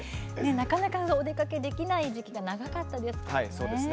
なかなかお出かけできない時期が長かったですよね。